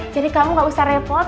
jadi kamu gak usah repot